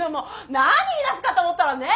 何言いだすかと思ったらねえ。